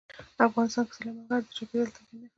افغانستان کې سلیمان غر د چاپېریال د تغیر نښه ده.